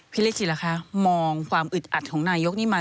พี่ลิศิละคะมองความอึดอัดของนายกนี้